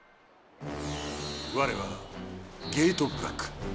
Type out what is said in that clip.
われはゲートブラック！